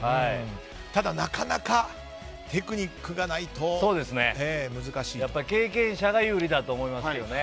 ただ、なかなかテクニックがないと経験者が有利だと思いますね。